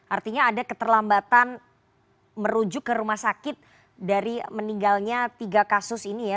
artinya ada keterlambatan merujuk ke rumah sakit dari meninggalnya tiga kasus ini ya